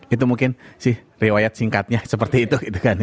itu mungkin sih riwayat singkatnya seperti itu